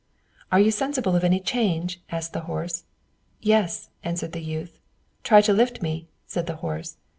"Are you sensible of any change?" asked the horse. "Yes," answered the youth. "Try to lift me," said the horse.